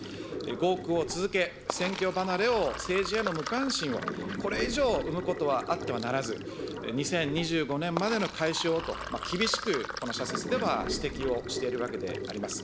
合区を続け、選挙離れを、政治への無関心を、これ以上、生むことはあってはならず、２０２５年までのをと、厳しく、この社説では指摘をしているわけであります。